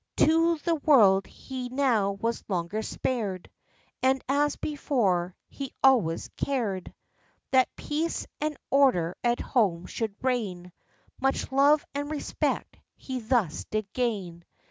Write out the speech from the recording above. To the world he now was longer spared; And, as before, he always cared That peace and order at home should reign; Much love and respect he thus did gain.